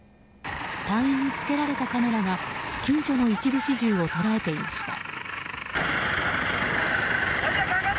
隊員につけられたカメラが救助の一部始終を捉えていました。